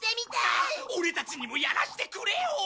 オレたちにもやらせてくれよ！